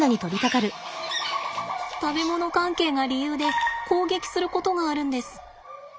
食べ物関係が理由で攻撃することがあるんです。